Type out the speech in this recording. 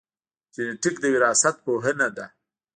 جینېټیک د وراثت پوهنه ده